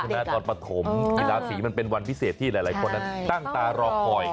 ใช่นะตอนประถมอินาศีมันเป็นวันพิเศษที่หลายคนนั้นตั้งตารอคอย